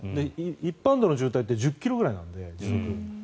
一般道の渋滞って１０ｋｍぐらいなので。